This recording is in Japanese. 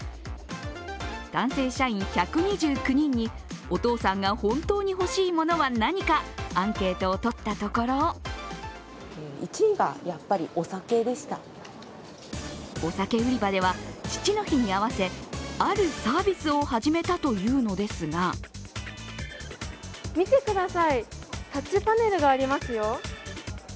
男性社員１２９人に、お父さんが本当に欲しい物は何かアンケートをとったところお酒売り場では、父の日に合わせあるサービスを始めたというのですが見てください、タッチパネルがありますよ。